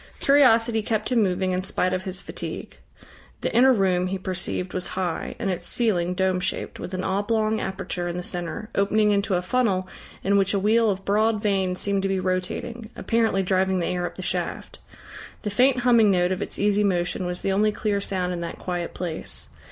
Curiosity kept him moving in spite of his fatigue. The inner room, he perceived, was high, and its ceiling dome shaped, with an oblong aperture in the centre, opening into a funnel in which a wheel of broad vanes seemed to be rotating, apparently driving the air up the shaft. The faint humming note of its easy motion was the only clear sound in that quiet place.